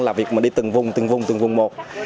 là việc mình đi từng vùng từng vùng từng vùng một